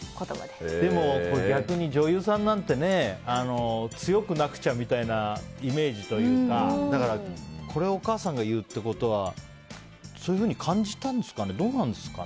でも逆に女優さんなんて強くなくちゃみたいなイメージというか、これをお母さんが言うということはそういうふうに感じたんですかね？